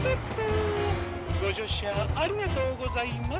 ごじょうしゃありがとうございます。